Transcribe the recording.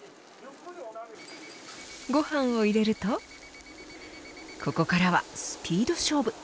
ご飯を入れるとここからはスピード勝負。